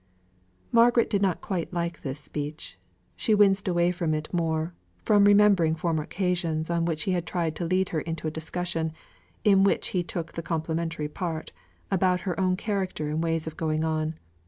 Margaret did not quite like this speech; she winced away from it more, from remembering former occasions on which he had tried to lead her into a discussion (in which he took the complimentary part) about her own character and ways of going on.